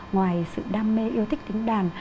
ngoài sự đam mê yêu thích tính đàn